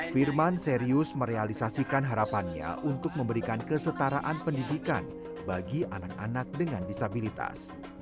firman serius merealisasikan harapannya untuk memberikan kesetaraan pendidikan bagi anak anak dengan disabilitas